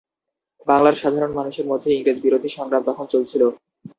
বাংলার সাধারণ মানুষের মধ্যে ইংরেজ বিরোধী সংগ্রাম তখন চলছিল।